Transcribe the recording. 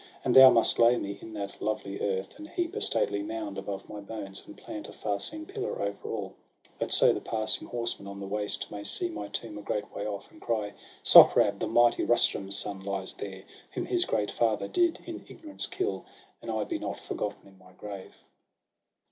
And thou must lay me in that lovely earth, And heap a stately mound above my bones, And plant a far seen pillar over all. That so the passing horseman on the waste May see my tomb a great way off, and cry: Sohrab, the mighty Rtcs turn's son, lies there, ii8 SOHRAB AND RUSTUM. Who? Ji his great father did in ignorance kill ! And I be not forgotten in my grave.'